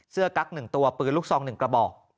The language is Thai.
กั๊ก๑ตัวปืนลูกซอง๑กระบอก